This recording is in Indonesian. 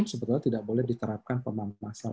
sebetulnya tidak boleh diterapkan pemantauan massal